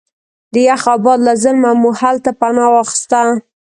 د یخ او باد له ظلمه مو هلته پناه واخسته.